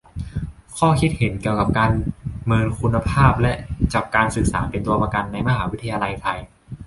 ข้อคิดเห็น เกี่ยวกับการเมินคุณภาพและจับการศึกษาเป็นตัวประกันในมหาวิทยาลัยไทย